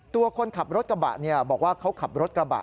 ตัวคนขับรถกระบะบอกว่าเขาขับรถกระบะ